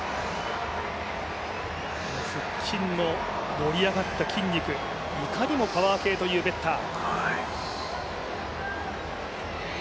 腹筋の盛り上がった筋肉いかにもパワー系というベッター。